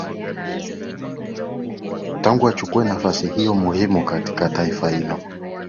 tangu achukue nafasi hiyo muhimu katika taifa hilo